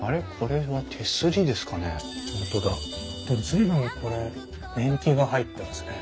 随分これ年季が入ってますね。